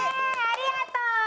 ありがとう！